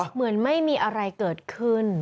เหมือนไม่มีอะไรเกิดขึ้น